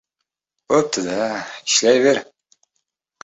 — Bo‘pti-da, ishlayver.